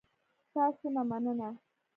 تاسو نه مننه